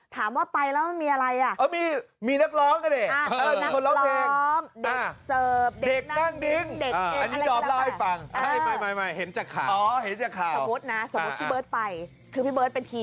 ถามว่าไปแล้วมันมีอะไร